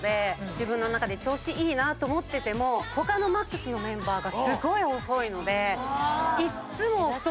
自分の中で調子いいなと思ってても他のＭＡＸのメンバーがすごい細いのでいっつも太って見られる。